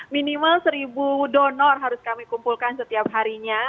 minimal seribu donor harus kami kumpulkan setiap harinya